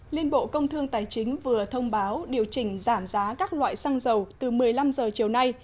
liên bộ công thương tài chính vừa thông báo điều chỉnh giảm giá các loại xăng dầu từ một mươi năm h chiều nay